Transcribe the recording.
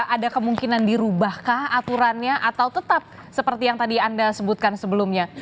ada kemungkinan dirubahkah aturannya atau tetap seperti yang tadi anda sebutkan sebelumnya